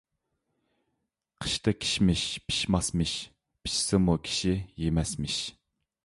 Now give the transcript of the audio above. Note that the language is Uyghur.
قىشتا كىشمىش پىشماسمىش، پىشسىمۇ كىشى يېمەسمىش.